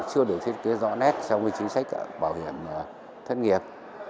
chưa được thiết kế rõ nét trong chính sách bảo hiểm thất nghiệp